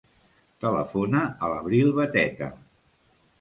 Telefona a l'Abril Beteta.